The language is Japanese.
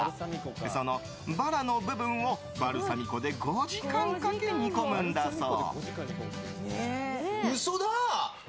そのバラの部分をバルサミコで５時間かけ煮込むんだそう。